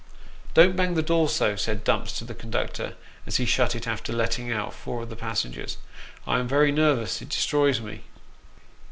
" Don't bang the door so," said Dumps to the conductor, as he shut it after letting out four of the passengers ;" I am very nervous it destroys me."